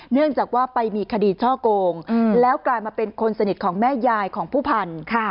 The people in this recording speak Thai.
เนื่องจากว่าไปมีคดีช่อโกงแล้วกลายมาเป็นคนสนิทของแม่ยายของผู้พันธุ์